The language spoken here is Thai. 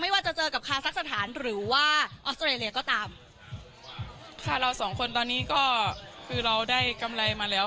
ว่าจะเจอกับคาซักสถานหรือว่าออสเตรเลียก็ตามค่ะเราสองคนตอนนี้ก็คือเราได้กำไรมาแล้ว